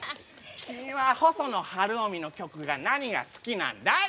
「君は細野晴臣の曲が何が好きなんだい？」